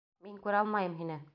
Мин күрә алмайым һине!